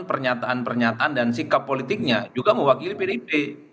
pernyataan pernyataan dan sikap politiknya juga mewakili pdip